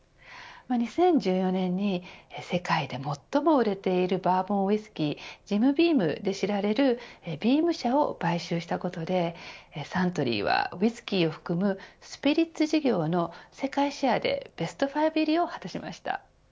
２０１４年に世界で最も売れているバーボンウイスキージム・ビームで知られるビーム社を買収したことでサントリーはウイスキーを含むスピリッツ事業の世界シェアでベスト５入りを果たしました。